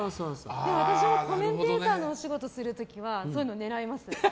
私もコメンテーターのお仕事する時はそういうのを狙います。